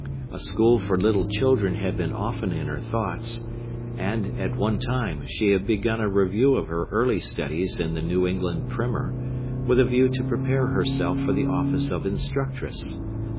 A school for little children had been often in her thoughts; and, at one time, she had begun a review of her early studies in the New England Primer, with a view to prepare herself for the office of instructress.